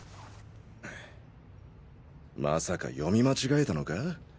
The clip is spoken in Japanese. まさか読み間違えたのか？